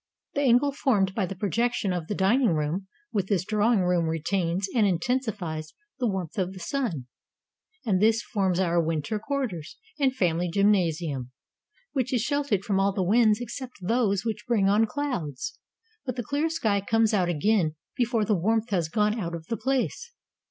The angle formed by the projection of the dining room with this drawing room retains and intensifies the warmth of the sun, and this forms our winter quarters and family gymnasium, which is sheltered from all the winds except those which bring on clouds, but the clear sky comes out again before the warmth has gone out of the place.